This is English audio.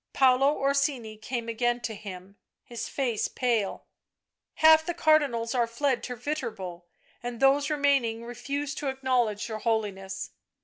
Paolo Orsini came again to him, his face pale. " Half the Cardinals are fled to Yiterbo and those remaining refuse to acknowledge your Holiness."